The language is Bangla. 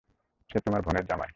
সে তোমার বোনের জামাই।